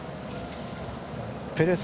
ペレス